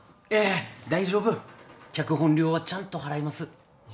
大丈夫脚本料はちゃんと払います。